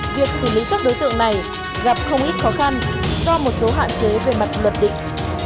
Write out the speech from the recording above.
việc xử lý các đối tượng này gặp không ít khó khăn do một số hạn chế về mặt luật định